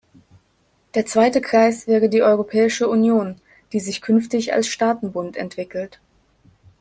Der zweite Kreis wäre die Europäische Union, die sich künftig als Staatenbund entwickelt.